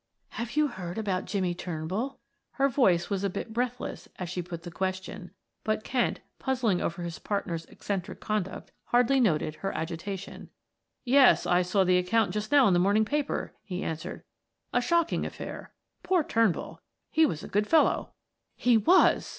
"Have you heard about Jimmie Turnbull?" Her voice was a bit breathless as she put the question, but Kent, puzzling over his partner's eccentric conduct, hardly noted her agitation. "Yes. I saw the account just now in the morning paper," he answered. "A shocking affair. Poor Turnbull! He was a good fellow." "He was!"